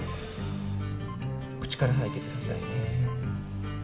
口から吐いてくださいね。